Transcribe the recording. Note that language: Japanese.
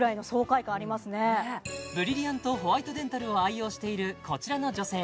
ブリリアントホワイトデンタルを愛用しているこちらの女性